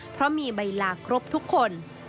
เพราะมีใบลาครบทุกคน